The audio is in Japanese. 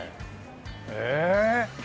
ええ？